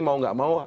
mau gak mau